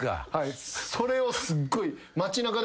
それをすっごい。